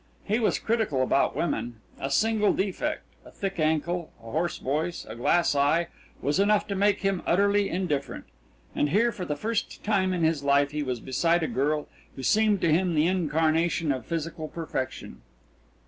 He was critical about women. A single defect a thick ankle, a hoarse voice, a glass eye was enough to make him utterly indifferent. And here for the first time in his life he was beside a girl who seemed to him the incarnation of physical perfection.